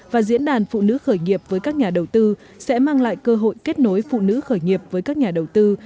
và diễn đàn phụ nữ khởi nghiệp với các nhà đầu tư sẽ mang lại cơ hội kết nối phụ nữ khởi nghiệp với các nhà đầu tư